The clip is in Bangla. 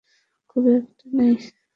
খুব একটা নেই।